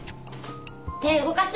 手動かす！